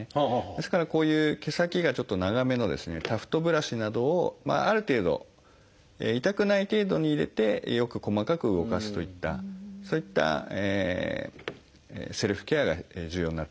ですからこういう毛先がちょっと長めのですねタフトブラシなどをある程度痛くない程度に入れてよく細かく動かすといったそういったセルフケアが重要になってきます。